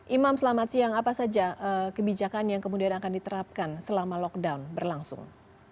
imam selamat siang apa saja kebijakan yang kemudian akan diterapkan selama lockdown berlangsung